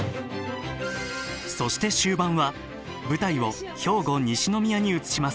そして終盤は舞台を兵庫西宮に移します。